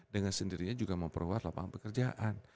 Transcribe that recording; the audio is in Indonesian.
dengan sendirinya juga memperluas lapangan pekerjaan